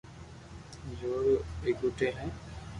جو رو ويگوتيل ھي